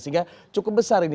sehingga cukup besar ini